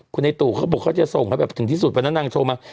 คุณไอ้ตู่เขาบอกเขาจะส่งให้แบบถึงที่สุดวันนั้นนางโชว์มา